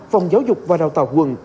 phòng giáo dục và đào tạo quận